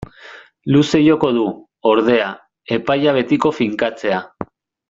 Luze joko du, ordea, epaia betiko finkatzea.